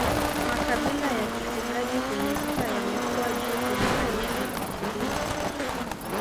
Makabila ya kifugaji kwenye vita yamekuwa juu kulinganisha na wakulima